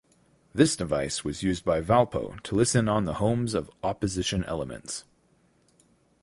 This device was used by Valpo to listen on the homes of opposition elements.